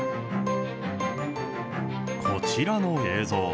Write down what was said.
こちらの映像。